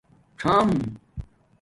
څام